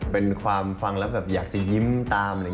เป็นความฟังแล้วอยากจะยิ้มตาม